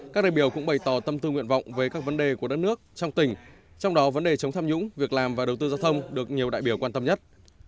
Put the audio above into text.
các đại biểu cũng bày tỏ tâm tư nguyện vọng về các vấn đề của đất nước trong tỉnh trong đó vấn đề chống tham nhũng việc làm và đầu tư giao thông được nhiều đại biểu quan tâm nhất